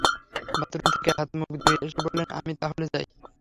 Bathroom থেকে হাত-মুখ ধুয়ে এসে বললেন, আমি তাহলে যাই?